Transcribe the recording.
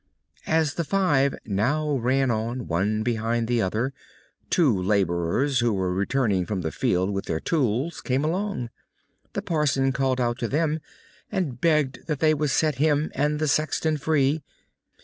As the five now ran on, one behind the other, two labourers who were returning from the field with their tools, came along. The parson called out to them and begged that they would set him and the sexton free.